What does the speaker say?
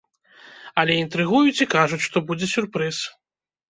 Але інтрыгуюць і кажуць, што будзе сюрпрыз!